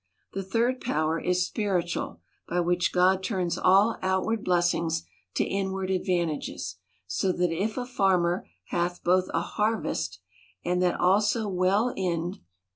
— The third power is spiritual, by which God turns all outward blessings to inward advantages. So that if a farmer hath both a harvest, and that also well inned 29^ 66 THE COUNTRY PARSON.